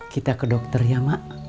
kita ke dokter ya mak